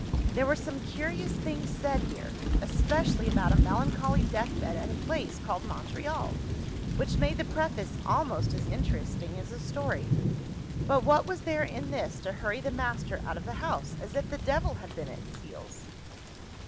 There were some curious things said here especially about a melancholy deathbed at a place called Montreal which made the Preface almost as interesting as a story. But what was there in this to hurry the master out of the house, as if the devil had been at his heels?